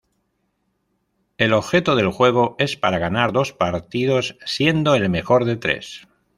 El objeto del juego es para ganar dos partidos siendo el mejor de tres.